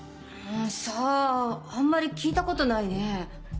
さぁあんまり聞いたことないね。